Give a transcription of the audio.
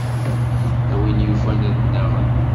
A win yufan ad nnaɣen.